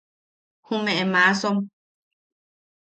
Jumeʼe maasom.